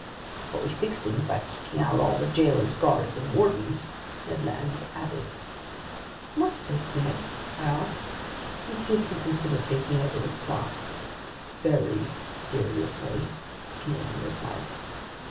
"But we fix things by kicking out all the jailers, guards, and wardens," Ned Land added. "What's this, Ned?" I asked. "You'd seriously consider taking over this craft?" "Very seriously," the Canadian replied.